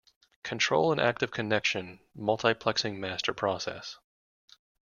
Control an active connection multiplexing master process.